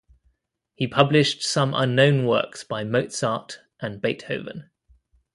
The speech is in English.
He published some unknown works by Mozart and Beethoven.